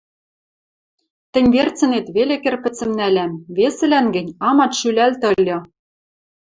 Тӹнь верцӹнет веле кӹрпӹцӹм нӓлӓм, весӹлӓн гӹнь амат шӱлӓлтӹ ыльы...